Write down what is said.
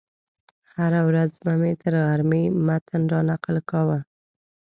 هره ورځ به مې تر غرمې متن رانقل کاوه.